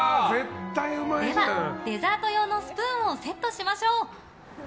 では、デザート用のスプーンをセットしましょう。